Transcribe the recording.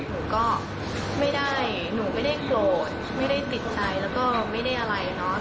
หนูก็ไม่ได้หนูไม่ได้โกรธไม่ได้ติดใจแล้วก็ไม่ได้อะไรเนอะ